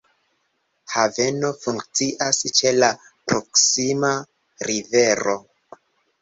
Haveno funkcias ĉe la proksima rivero.